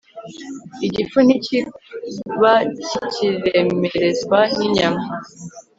Igifu ntikiba kikiremerezwa ninyama